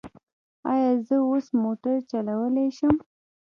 ایا زه اوس موټر چلولی شم؟